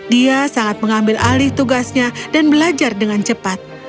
dia sangat mengambil alih tugasnya dan belajar dengan cepat